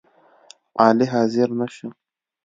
علي حاضر نشو